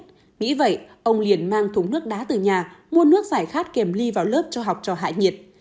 nghĩ vậy ông liền mang thúng nước đá từ nhà mua nước giải khát kèm ly vào lớp cho học cho hạ nhiệt